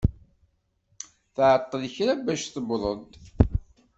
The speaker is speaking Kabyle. Tɛeṭṭel kra bac tewweḍ-d.